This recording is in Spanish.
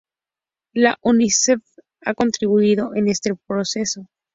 La Unicef ha contribuido en este proceso.